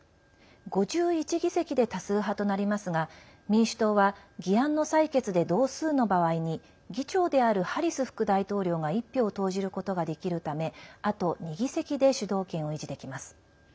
５１議席で多数派となりますが民主党は議案の採決で同数の場合に議長であるハリス副大統領が１票を投じることができるためあと２議席で主導権を維持できます。